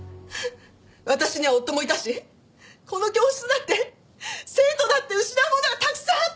私には夫もいたしこの教室だって生徒だって失うものはたくさんあった。